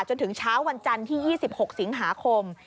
จนถึงเช้าวันจันทร์ที่๒๖สิงหาคม